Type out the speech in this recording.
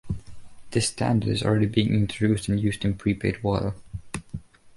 This standard is already being introduced and used in prepaid water.